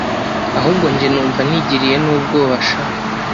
ahubwo njye numva nigiriye nubwoba sha